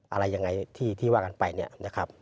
อะไรอย่างไรที่ว่ากันไปนะครับ